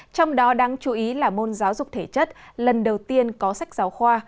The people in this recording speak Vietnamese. trong đó đáng chú ý là môn giáo dục thể chất lần đầu tiên có sách giáo khoa